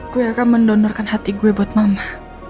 gue akan mendonorkan hati gue buat mama